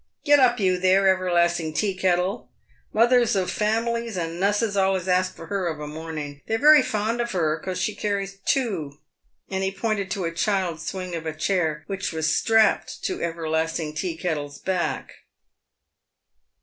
Get up you there, Everlasting Teakettle ! Mothers of fam'lies and nusses allers ask for her of a morning. They're very fond of her, 'cos she carries two;" and he pointed to a child's swing of a chair, which was strapped to Everlast ing Teakettle's back.